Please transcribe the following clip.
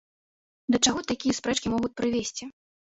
Да чаго такія спрэчкі могуць прывесці?